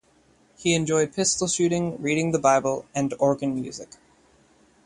He enjoyed pistol shooting, reading the Bible, and organ music.